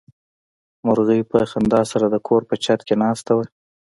مرغۍ په خندا سره د کور په چت کې ناسته وه.